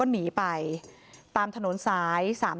คุณภรรยาเกี่ยวกับข้าวอ่ะคุณภรรยาเกี่ยวกับข้าวอ่ะ